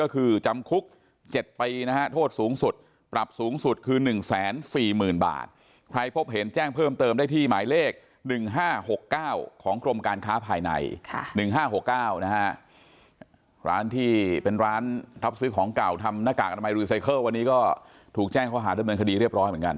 คุณต้องมีโควต้าไปเท่านี้